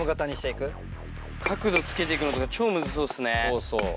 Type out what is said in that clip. そうそう。